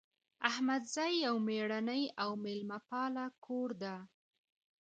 احمدزی یو میړنۍ او میلمه پاله کور ده